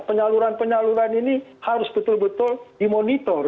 penyaluran penyaluran ini harus betul betul dimonitor